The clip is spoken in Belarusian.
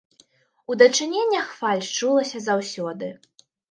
У дачыненнях фальш чулася заўсёды.